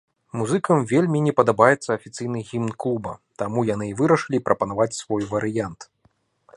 Музыкам вельмі не падабаецца афіцыйны гімн клуба, таму яны і вырашылі прапанаваць свой варыянт.